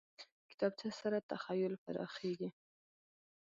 کتابچه سره تخیل پراخېږي